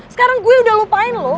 sekarang gue udah lupain loh